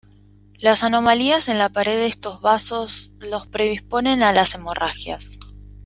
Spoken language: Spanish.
Las anomalías en la pared de estos vasos los predisponen a las hemorragias.